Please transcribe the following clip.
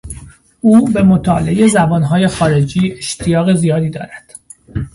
او به مطالعهٔ زبان های خارجی اشتیاق زیادی دارد.